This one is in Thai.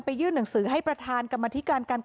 ไปยื่นหนังสือให้ประธานกรรมนาฬิการการเกษตร